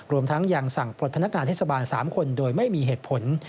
รวมทั้งยังสั่งปลดพนักงานเทศบาล๓คนโดยไม่มีเหตุผล